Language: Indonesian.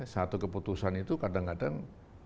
satu keputusan itu kadang kadang